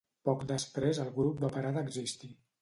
Poc després el grup va parar d'existir.